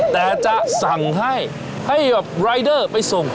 แต่จะสั่งให้ให้แบบรายเดอร์ไปส่ง